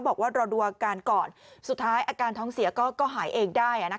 บอกว่ารอดูอาการก่อนสุดท้ายอาการท้องเสียก็หายเองได้